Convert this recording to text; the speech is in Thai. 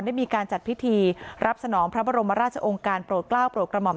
ได้มีการจัดพิธีรับสนองพระบรมราชองค์การโปรดกล้าวโปรดกระหม่อม